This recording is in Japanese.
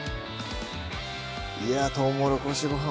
いやぁ「とうもろこしご飯」